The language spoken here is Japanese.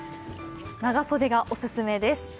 長袖がオススメです。